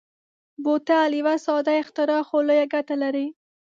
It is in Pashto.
بوتل یو ساده اختراع خو لویه ګټه لري.